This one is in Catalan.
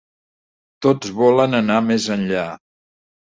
Tots volen anar més enllà.